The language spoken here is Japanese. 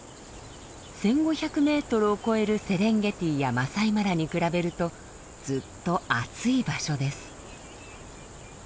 １，５００メートルを超えるセレンゲティやマサイマラに比べるとずっと暑い場所です。